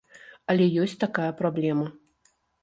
Але ёсць такая праблема.